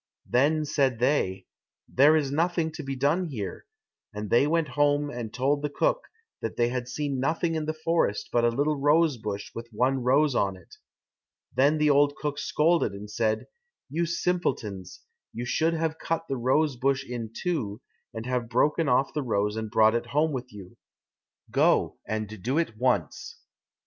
Then said they, "There is nothing to be done here," and they went home and told the cook that they had seen nothing in the forest but a little rose bush with one rose on it. Then the old cook scolded and said, "You simpletons, you should have cut the rose bush in two, and have broken off the rose and brought it home with you; go, and do it once."